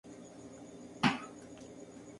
La Chapelle-Geneste